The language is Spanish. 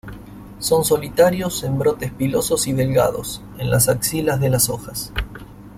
Son solitarios en brotes pilosos y delgados, en las axilas de las hojas.